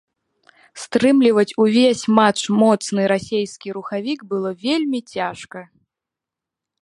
Стрымліваць увесь матч моцны расейскі рухавік было вельмі цяжка.